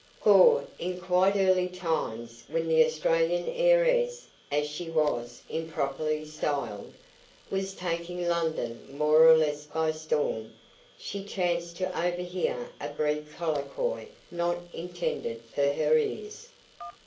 For, in quite early times, when the Australian heiress, as she was improperly styled, was taking London more or less by storm, she chanced to overhear a brief colloquy not intended for her ears.